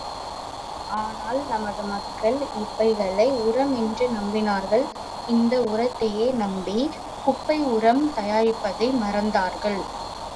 ஆனால் நமது மக்கள் இவைகளை உரம் என்று நம்பினார்கள் இந்த உரத்தையே நம்பி, குப்பை உரம் தயாரிப்பதை மறந்தார்கள்.